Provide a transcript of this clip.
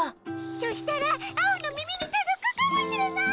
そしたらアオのみみにとどくかもしれない！